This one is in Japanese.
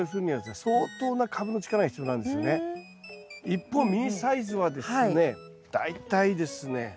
一方ミニサイズはですね大体ですね